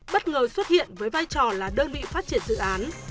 bất ngờ xuất hiện với vai trò là đơn vị phát triển dự án